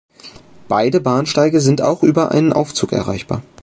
Beide Bahnsteige sind auch über einen Aufzug erreichbar.